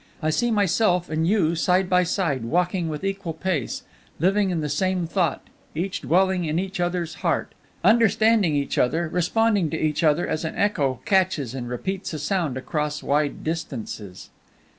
I see myself and you side by side, walking with equal pace, living in the same thought; each dwelling in each other's heart, understanding each other, responding to each other as an echo catches and repeats a sound across wide distances.